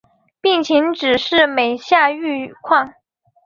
病情只是每下愈况